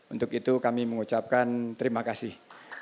untuk itu kami mengucapkan terima kasih